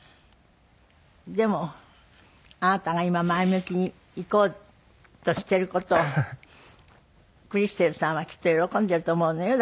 でもあなたが今前向きにいこうとしてる事をクリステルさんはきっと喜んでると思うのよ。